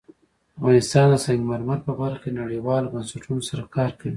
افغانستان د سنگ مرمر په برخه کې نړیوالو بنسټونو سره کار کوي.